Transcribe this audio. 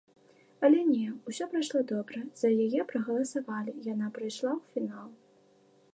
Але не, усё прайшло добра, за яе прагаласавалі, яна прайшла ў фінал.